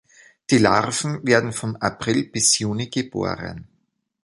Die Larven werden von April bis Juni geboren.